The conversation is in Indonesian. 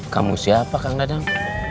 kamu siapa kang dadang